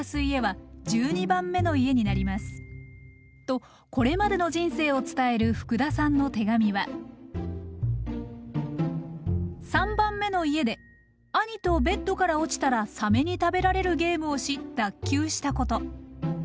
とこれまでの人生を伝える福田さんの手紙は３番目の家で兄とベッドから落ちたらサメに食べられるゲームをし脱臼したこと。